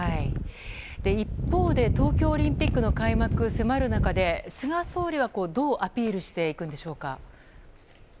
一方で東京オリンピックの開幕が迫る中で、菅総理はどうアピールしていくんでしょうか。